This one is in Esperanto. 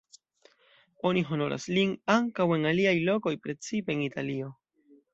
Oni honoras lin ankaŭ en aliaj lokoj, precipe en Italio.